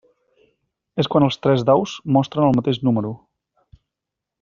És quan els tres daus mostren el mateix número.